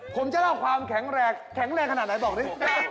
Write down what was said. ผมจะเล่าความแข็งแรงแข็งแรงขนาดไหนบอกดิ